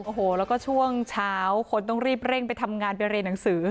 โอ้โหแล้วก็ช่วงเช้าคนต้องรีบเร่งไปทำงานไปเรียนหนังสือ